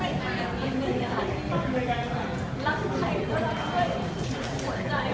เราไม่มีแม่งใจรักใครก็รักเว้ยหัวใจ